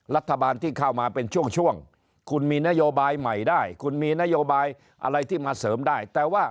รัฐบาลที่เข้ามาเป็นช่วงช่วงคุณมีนโยบายใหม่ได้